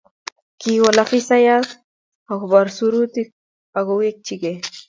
Kiwol afisayat akobir surut akowechikei